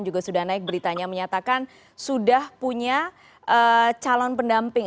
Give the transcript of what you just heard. juga sudah naik beritanya menyatakan sudah punya calon pendamping